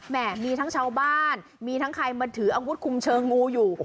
มีทั้งชาวบ้านมีทั้งใครมาถืออาวุธคุมเชิงงูอยู่